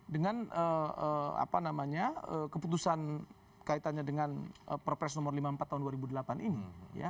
dengan keputusan kaitannya dengan perpres nomor lima puluh empat tahun dua ribu delapan ini